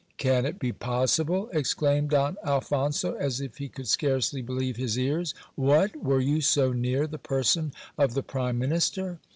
Can it be possible? exclaimed Don Alphonso, as if he could scarcely believe his ears. What, were you so near the person of the prime minister?